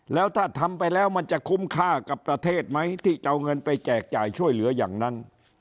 แล้วถ้าทำไปแล้วมันจะคุ้มค่ากับประเทศไหมที่จะเอาเงินไปแจกจ่ายช่วยเหลืออย่างนั้น